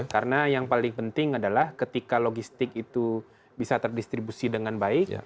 karena yang paling penting adalah ketika logistik itu bisa terdistribusi dengan baik